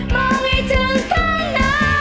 มองให้ถึงคนไหน